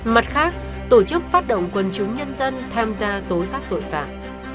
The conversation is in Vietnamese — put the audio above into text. mặt khác tổ chức phát động quần trúng nhân dân tham gia tố xác tội phạm